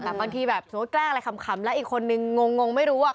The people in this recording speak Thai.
แต่บางทีแบบสมมุติแกล้งอะไรขำแล้วอีกคนนึงงงไม่รู้อ่ะ